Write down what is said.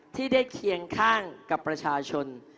ที่ได้เคียงข้างกับประชาชน